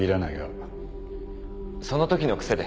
そのときの癖で。